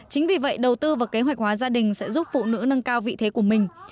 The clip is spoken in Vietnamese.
chính vì vậy đầu tư vào kế hoạch hóa gia đình sẽ giúp phụ nữ nâng cao vị thế của mình